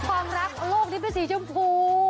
ความรักโลกนี้เป็นสีชมพู